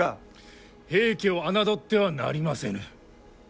平家を侮ってはなりませぬ。